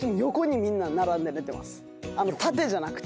縦じゃなくて。